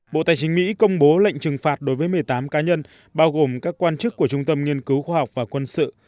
bộ tài chính mỹ công bố lệnh trừng phạt đối với một mươi tám cá nhân bao gồm các quan chức của trung tâm nghiên cứu khoa học và quân sự